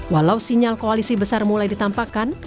walau sinyal koalisi besar mulai ditampakkan